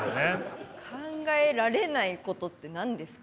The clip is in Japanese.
「考えられないこと」って何ですか？